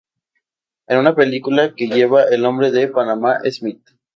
En la película, que lleva el nombre de Panamá Smith.